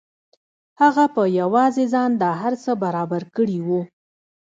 هغه په یوازې ځان دا هر څه برابر کړي وو